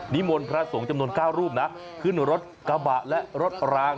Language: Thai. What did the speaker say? มนต์พระสงฆ์จำนวน๙รูปนะขึ้นรถกระบะและรถราง